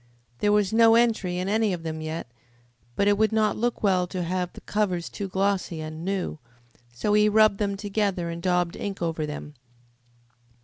There was no entry in any of them yet, but it would not look well to have the covers too glossy and new, so he rubbed them together and daubed ink over them.